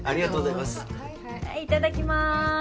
いただきます。